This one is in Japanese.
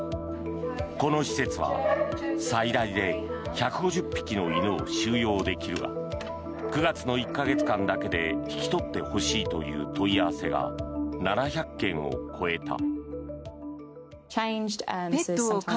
この施設は最大で１５０匹の犬を収容できるが９月の１か月間だけで引き取ってほしいという問い合わせが７００件を超えた。